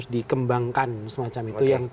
dikembangkan semacam itu